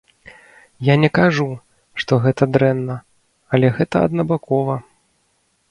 Я не кажу, што гэта дрэнна, але гэта аднабакова.